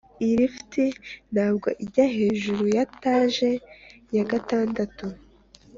iyi lift ntabwo ijya hejuru ya etage ya gatandatu.